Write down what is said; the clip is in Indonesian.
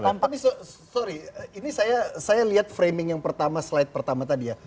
tapi sorry ini saya lihat framing yang pertama slide pertama tadi ya